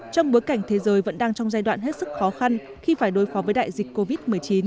trong bối cảnh thế giới vẫn đang trong giai đoạn hết sức khó khăn khi phải đối phó với đại dịch covid một mươi chín